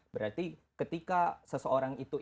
berarti ketika seseorang itu ingin membuat token